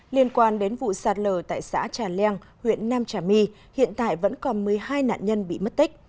liên quan đến vụ sạt lở tại xã trà leng huyện nam trà my hiện tại vẫn còn một mươi hai nạn nhân bị mất tích